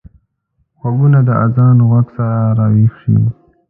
غوږونه د اذان غږ سره راويښ شي